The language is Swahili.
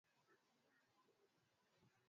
kuboresha afyaNchi nyingi zimeweka viwango